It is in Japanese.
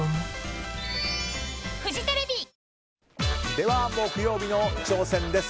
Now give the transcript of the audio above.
では木曜日の挑戦です。